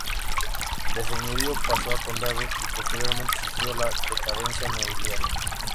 De señorío pasó a condado y posteriormente sufrió la decadencia nobiliaria.